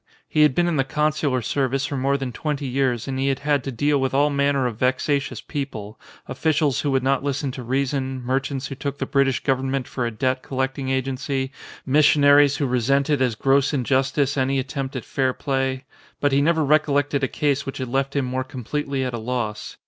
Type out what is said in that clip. He had been in the con sular service for more than twenty years and he had had to deal with all manner of vexatious people, officials who would not listen to reason, merchants who took the Brit ish Government for a debt collecting agency, mis sionaries who resented as gross injustice any at tempt at fair play ; but he never recollected a case which had left him more completely at a loss.